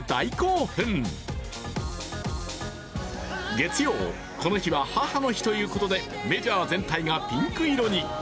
月曜、この日は母の日ということでメジャー全体がピンク色に。